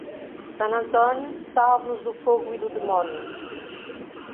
San Antonio, salve-nos do fogo e do demônio.